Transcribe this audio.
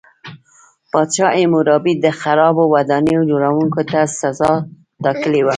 پادشاه هیمورابي د خرابو ودانیو جوړوونکو ته سزا ټاکلې وه.